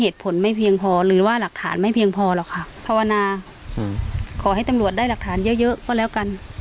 ถ้าตำรวจได้หลักฐานเยอะก็แล้วกัน